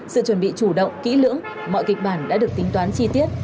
sự chuẩn bị chủ động kỹ lưỡng mọi kịch bản đã được tính toán chi tiết